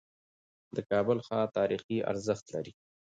د کابل ښار تاریخي ارزښت لري.